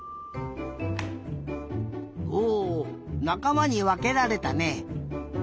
おおなかまにわけられたね。